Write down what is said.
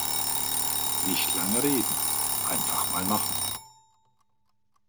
Nicht lange reden, einfach mal machen!